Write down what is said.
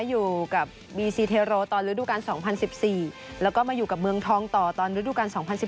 อยู่กับบีซีเทโรตอนฤดูการ๒๐๑๔แล้วก็มาอยู่กับเมืองทองต่อตอนฤดูการ๒๐๑๙